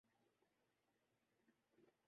دیکھنا یہ ہے کہ عمران خان اس سے کیسے نمٹتے ہیں۔